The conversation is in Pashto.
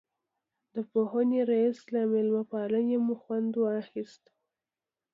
د پوهنې رئیس له مېلمه پالنې مو خوند واخیست.